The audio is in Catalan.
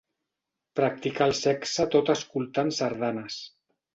Practicar el sexe tot escoltant sardanes.